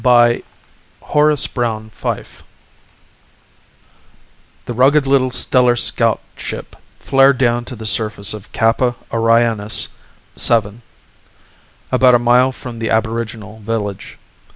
B. FYFE Illustrated by Van Dongen The rugged little stellar scout ship flared down to the surface of Kappa Orionis VII about a mile from the aboriginal village.